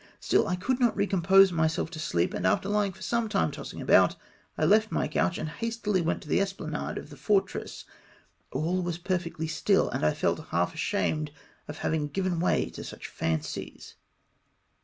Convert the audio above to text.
Still I could not recompose myself to sleep, and after lying for some time tossing about, I left my couch, and hastily went on the esplanade of the fortress. All was perfectly still, and I felt half ashamed of having given way to such fancies.